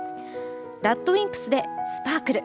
ＲＡＤＷＩＭＰＳで「スパークル」。